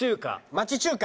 町中華。